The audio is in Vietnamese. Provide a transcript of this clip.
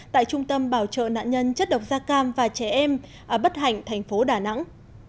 tại trung tâm bảo trợ nạn nhân chất độc da cam và trẻ em ở bất hạnh thành phố đà nẵng